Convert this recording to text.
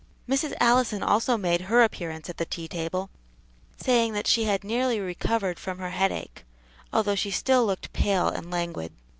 Mrs. Allison also made her appearance at the tea table, saying that she had nearly recovered from her headache; although she still looked pale and languid.